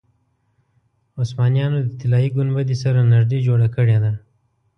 عثمانیانو د طلایي ګنبدې سره نږدې جوړه کړې ده.